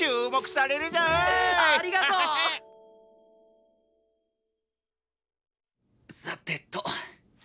さてと。